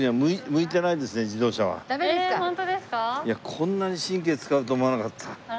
いやこんなに神経使うと思わなかった。